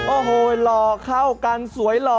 โอ้โหหล่อเข้ากันสวยหล่อ